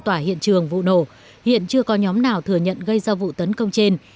tỏa hiện trường vụ nổ hiện chưa có nhóm nào thừa nhận gây ra vụ tấn công trên